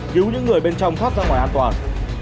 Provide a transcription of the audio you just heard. cứu những người bên trong thoát ra ngoài an toàn